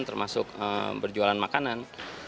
termasuk berjualan makanan